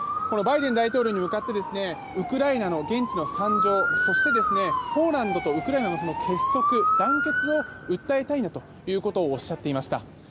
バイデン大統領に向かってウクライナの現地の惨状そして、ポーランドとウクライナの結束団結を訴えたいんだとおっしゃっていました。